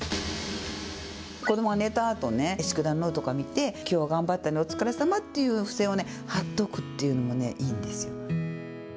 子どもが寝たあと宿題ノートとか見て、きょうは頑張ったね、お疲れさまという付箋を貼っておくっていうのもいいんですよ。